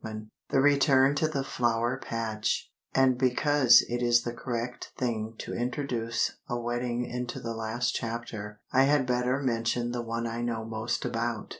XV The Return to the Flower Patch AND because it is the correct thing to introduce a wedding into the last chapter, I had better mention the one I know most about.